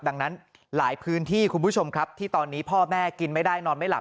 ดังนั้นหลายพื้นที่คุณผู้ชมครับที่ตอนนี้พ่อแม่กินไม่ได้นอนไม่หลับ